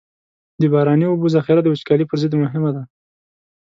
د باراني اوبو ذخیره د وچکالۍ پر ضد مهمه ده.